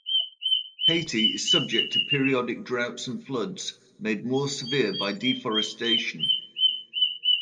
Haiti is subject to periodic droughts and floods, made more severe by deforestation.